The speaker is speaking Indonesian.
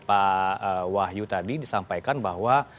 pak wahyu tadi disampaikan bahwa